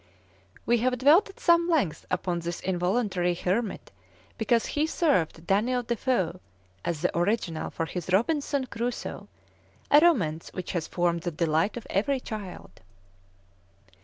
We have dwelt at some length upon this involuntary hermit because he served Daniel de Foe as the original of his "Robinson Crusoe," a romance which has formed the delight of every child.